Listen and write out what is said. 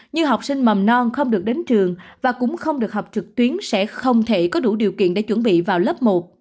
như học sinh mầm non không được đến trường và cũng không được học trực tuyến sẽ không thể có đủ điều kiện để chuẩn bị vào lớp một